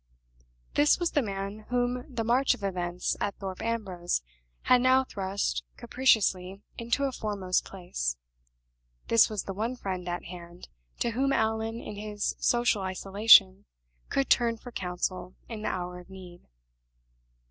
This was the man whom the march of events at Thorpe Ambrose had now thrust capriciously into a foremost place. This was the one friend at hand to whom Allan in his social isolation could turn for counsel in the hour of need.